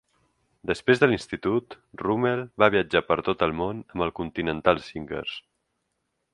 Després de l'institut, Rummell va viatjar per tot el món amb els Continental Singers.